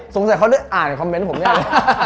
สงสัยเขาได้อ่านคอมเมนต์ผมเนี่ย